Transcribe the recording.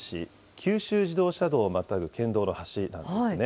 九州自動車道をまたぐ県道の橋なんですね。